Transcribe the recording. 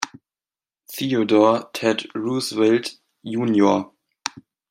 Theodore „Ted“ Roosevelt, Jr.